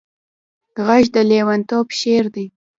غږ د لېونتوب شعر دی